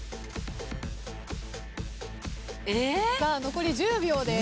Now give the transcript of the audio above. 残り１０秒です。